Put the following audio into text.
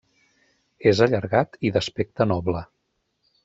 És allargat i d'aspecte noble.